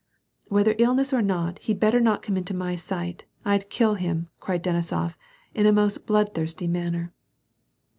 " Whether illness or not, he'd better not come into my sight, I'd kill him," cried Denisof, in a most bloodthirsty manner.